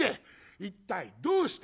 一体どうした？